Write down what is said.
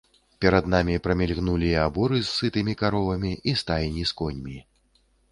Перад намі прамільгнулі і аборы з сытымі каровамі, і стайні з коньмі.